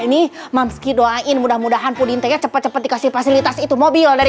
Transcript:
ini mamski doain mudah mudahan pudintanya cepet cepet dikasih fasilitas itu mobil dari